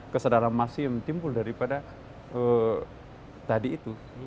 kesadaran masyarakat yang timbul daripada tadi itu